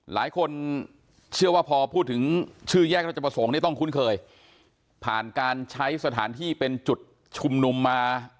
หลายคนเชื่อว่าพอพูดถึงชื่อแยกราชประสงค์เนี่ยต้องคุ้นเคยผ่านการใช้สถานที่เป็นจุดชุมนุมมา